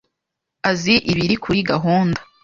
azi ibiri kuri gahunda.